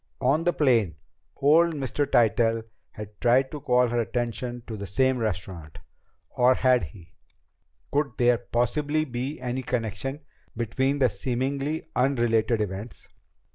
On the plane, old Mr. Tytell had tried to call her attention to the same restaurant or had he? Could there possibly be any connection between the seemingly unrelated events?